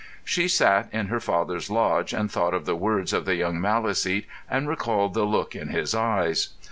She sat in her father's lodge and thought of the words of the young Maliseet and recalled the look in his eyes.